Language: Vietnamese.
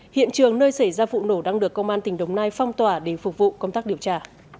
hiện trường nơi xảy ra vụ nổ đang được công an tỉnh đồng nai phong tỏa để phục vụ công tác điều tra